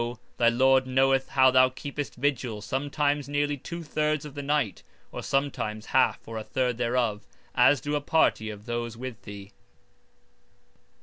thy Lord knoweth how thou keepest vigil sometimes nearly two thirds of the night, or (sometimes) half or a third thereof, as do a party of those with thee.